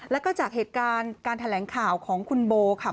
แล้วก็จากเหตุการณ์การแถลงข่าวของคุณโบค่ะ